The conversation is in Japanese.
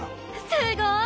すごい！